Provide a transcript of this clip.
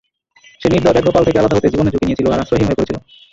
সে নির্দয় ব্যঘ্রপাল থেকে আলাদা হতে জীবনের ঝুঁকি নিয়েছিল, আর আশ্রয়হীন হয়ে পড়েছিল।